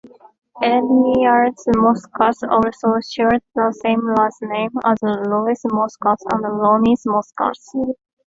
Elias Moskos also shared the same last name as Leos Moskos and Ioannis Moskos.